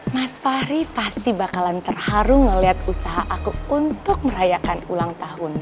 mas fahri pasti bakalan terharu melihat usaha aku untuk merayakan ulang tahun